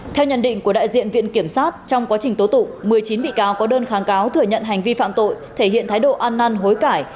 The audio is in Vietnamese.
theo nhận định của đại diện viện kiểm sát trong quá trình tố tụ một mươi chín bị cáo có đơn kháng cáo thừa nhận hành vi phạm tội thể hiện thái độ ăn năn hối cải